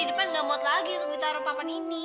bisa di depan enggak buat lagi tuh kita taruh papan ini